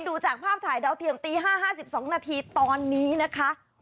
ดูจากภาพถ่ายดาวเทียมตี๕๕๒นาทีตอนนี้นะคะ